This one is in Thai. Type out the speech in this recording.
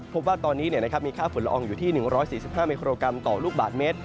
พบว่าตอนนี้มีค่าฝุ่นละอองอยู่ที่๑๔๕มิโครกรัมต่อลูกบาทเมตร